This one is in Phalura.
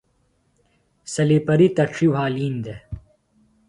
سلیپریۡ تڇیۡ وھالِین دےۡ۔